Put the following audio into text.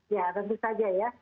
ya tentu saja ya